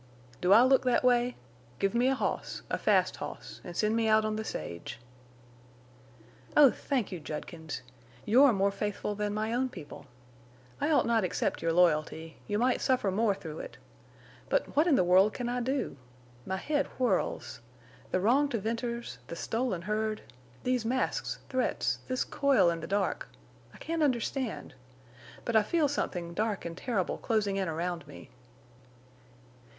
"Do I look thet way? Give me a hoss—a fast hoss, an' send me out on the sage." "Oh, thank you, Judkins! You're more faithful than my own people. I ought not accept your loyalty—you might suffer more through it. But what in the world can I do? My head whirls. The wrong to Venters—the stolen herd—these masks, threats, this coil in the dark! I can't understand! But I feel something dark and terrible closing in around me."